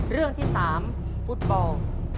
เรื่องที่๓ฟุตบอล